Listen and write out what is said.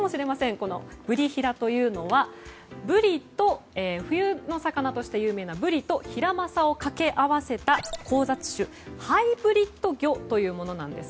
このブリヒラというのは冬の魚として有名なブリとヒラマサを掛け合わせた交雑種ハイブリッド魚というものなんです。